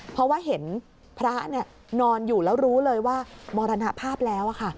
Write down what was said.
เพราะว่าเห็นพระนอนอยู่แล้วรู้เลยว่ามรณภาพแล้ว